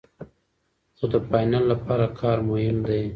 خو د فاینل لپاره کار مهم دی.